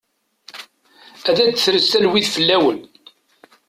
Ad d-tres talwit fell-awen.